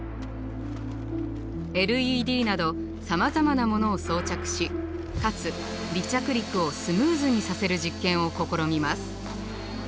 ＬＥＤなどさまざまなものを装着しかつ離着陸をスムーズにさせる実験を試みます。